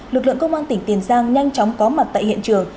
lực lượng công an tỉnh tiền giang nhanh chóng có mặt tại hiện trường